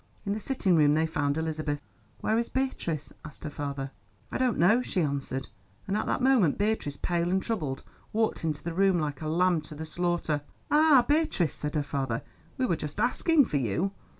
In the sitting room they found Elizabeth. "Where is Beatrice?" asked her father. "I don't know," she answered, and at that moment Beatrice, pale and troubled, walked into the room, like a lamb to the slaughter. "Ah, Beatrice," said her father, "we were just asking for you."